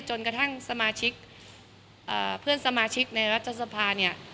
จนกระทั่งสมาชิกเพื่อนสมาชิกในรัฐสภาเนี่ย